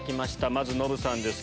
まずノブさんです。